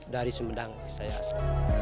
dari sumedang saya asli